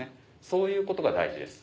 そういうことが大事です。